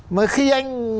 mà khi anh